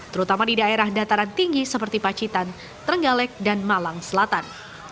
terutama di daerah dataran tinggi seperti pacitan trenggalek dan malang selatan